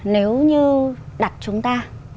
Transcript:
nếu như đặt chúng ta